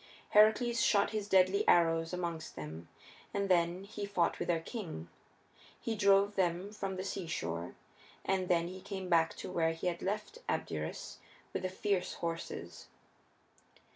Heracles shot his deadly arrows amongst them, and then he fought with their king. He drove them from the seashore, and then he came back to where he had left Abderus with the fierce horses.